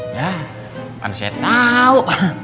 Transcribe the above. ya kan saya tau